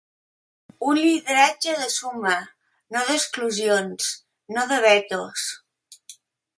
Un lideratge de suma, no d’exclusions, no de vetos.